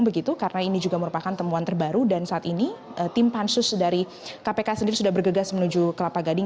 begitu karena ini juga merupakan temuan terbaru dan saat ini tim pansus dari kpk sendiri sudah bergegas menuju kelapa gading